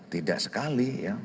tidak sekali ya